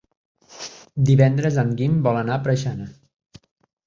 Divendres en Guim vol anar a Preixana.